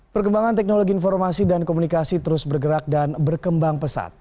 perkembangan teknologi informasi dan komunikasi terus bergerak dan berkembang pesat